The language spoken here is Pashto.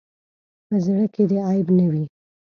په زړۀ کې دې عیب نه وي.